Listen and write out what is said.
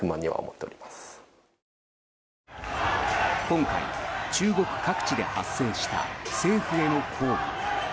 今回、中国各地で発生した政府への抗議。